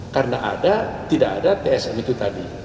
karena tidak ada tsm itu tadi